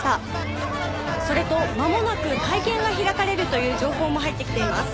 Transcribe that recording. それとまもなく会見が開かれるという情報も入ってきています。